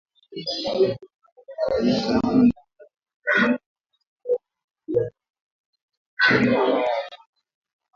Mnamo miaka ya hivi karibuni ,idhaa imepanuka na inatangaza kupitia redio, televisheni na mitandao ya kijamii